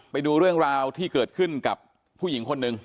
ไปดูเรื่องราวที่เกิดขึ้นกับผู้หญิงคนหนึ่ง